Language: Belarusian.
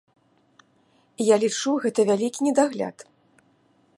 Я лічу, гэта вялікі недагляд.